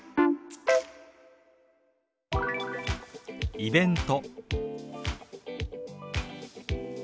「イベント」。